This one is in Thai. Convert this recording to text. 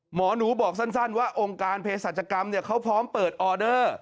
หมอหนูบอกสั้นว่าองค์การเพศรัชกรรมเขาพร้อมเปิดออเดอร์